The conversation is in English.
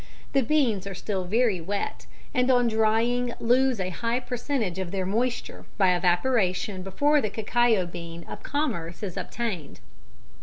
The beans are still very wet, and on drying lose a high percentage of their moisture by evaporation before the cacao bean of commerce is obtained.